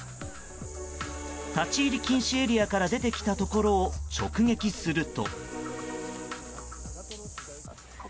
立ち入り禁止エリアから出てきたところを直撃すると。